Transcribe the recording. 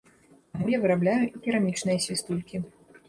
Таму я вырабляю і керамічныя свістулькі.